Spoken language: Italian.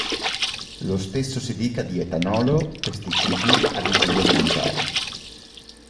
Lo stesso si dica di etanolo, pesticidi, additivi alimentari.